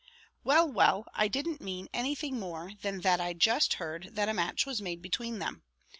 "Well, well, I didn't mean anything more than that I just heard that a match was made between them.